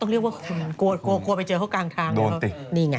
ต้องเรียกกลัวเป็นครียกลัวกลัวเกินไปเจ้ากลางทาง